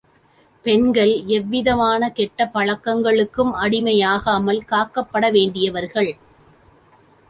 பெண்கள் எவ்விதமான கெட்ட பழக்கங்களுக்கும் அடிமையாகாமல் காக்கப்பட வேண்டியவர்கள்.